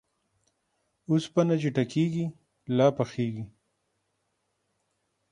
اوسپنه چې ټکېږي ، لا پخېږي.